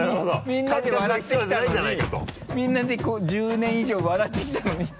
みんなで笑ってきたのにみんなでこう１０年以上笑ってきたのに。